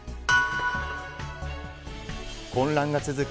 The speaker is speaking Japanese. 混乱が続く